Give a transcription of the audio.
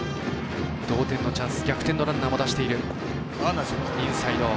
同点のチャンス逆転のランナーも出している。